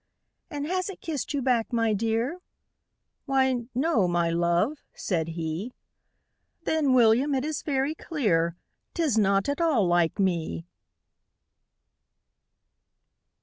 "And has it kissed you back, my dear?" "Why no my love," said he. "Then, William, it is very clear 'Tis not at all LIKE ME!"